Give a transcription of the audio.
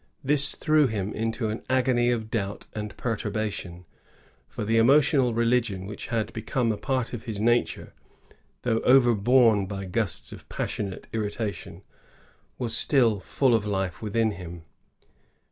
This threw him into an agony of doubt and perturbation ; for the emotional religion which had become a part of his nature, though overborne by gusts of passionate irritation, was still full of life within him.